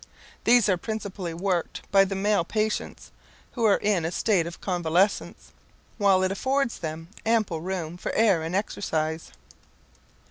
These are principally worked by the male patients, who are in a state of convalescence, while it affords them ample room for air and exercise.